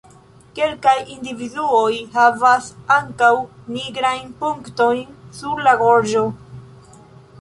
Kelkaj individuoj havas ankaŭ nigrajn punktojn sur la gorĝo.